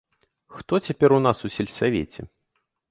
Хто цяпер у нас у сельсавеце?!